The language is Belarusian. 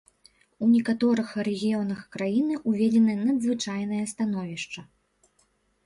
У некаторых рэгіёнах краіны ўведзена надзвычайнае становішча.